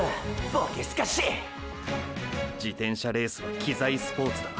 ボケスカシ自転車レースは機材スポーツだ。